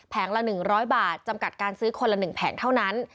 ละ๑๐๐บาทจำกัดการซื้อคนละ๑แผงเท่านั้น